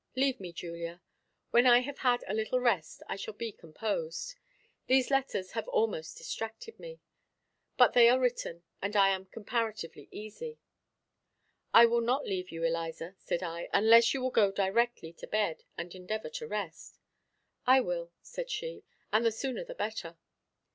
Leave me, Julia; when I have had a little rest, I shall be composed. These letters have almost distracted me; but they are written, and I am comparatively easy." "I will not leave you, Eliza," said I, "unless you will go directly to bed, and endeavor to rest." "I will," said she, "and the sooner the better."